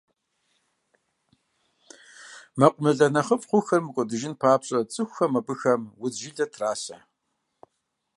Мэкъумылэ нэхъыфӀ хъухэр мыкӀуэдыжын папщӀэ, цӀыхухэм абыхэм удз жылэ трасэ.